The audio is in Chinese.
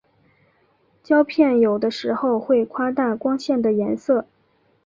胶片有的时候会夸大光线的颜色。